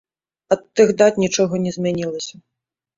Ад тых дат нічога не змянілася.